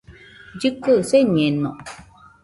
Llɨkɨaɨ señeno